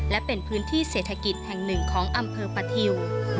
และเป็นพื้นที่เศรษฐกิจแห่งหนึ่งของอำเภอปะทิว